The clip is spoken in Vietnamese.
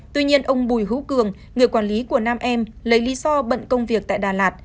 tuy nhiên ông bùi hữu cường người quản lý của nam em lấy lý do bận công việc tại đà lạt